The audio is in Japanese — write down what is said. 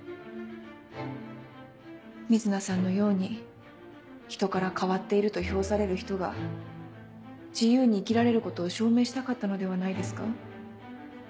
瑞奈さんのように人から変わっていると評される人が自由に生きられることを証明したかったのではないですか？